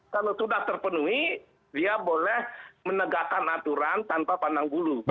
kalau sudah terpenuhi dia boleh menegakkan aturan tanpa pandang bulu